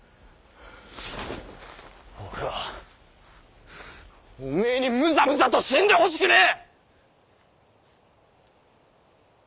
俺はおめえにむざむざと死んでほしくねぇ！